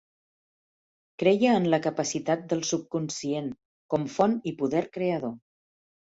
Creia en la capacitat del subconscient, com font i poder creador.